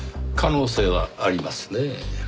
可能性はありますねぇ。